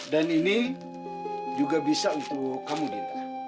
dan ini juga bisa untuk kamu dinda